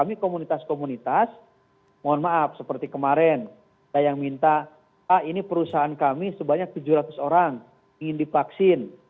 kami komunitas komunitas mohon maaf seperti kemarin saya yang minta pak ini perusahaan kami sebanyak tujuh ratus orang ingin divaksin